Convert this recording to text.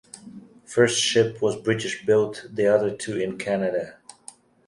First ship was British built, the other two in Canada.